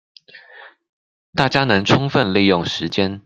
大家能充分利用時間